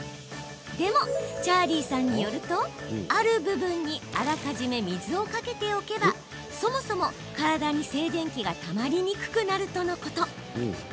でも、チャーリーさんによるとある部分にあらかじめ水をかけておけばそもそも体に静電気がたまりにくくなるとのこと。